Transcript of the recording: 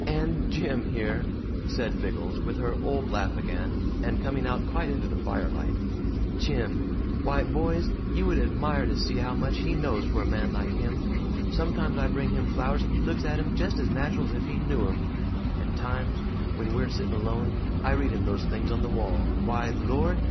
And Jim here," said Miggles, with her old laugh again, and coming out quite into the firelight, "Jim why, boys, you would admire to see how much he knows for a man like him. Sometimes I bring him flowers, and he looks at 'em just as natural as if he knew 'em; and times, when we're sitting alone, I read him those things on the wall. Why, Lord!"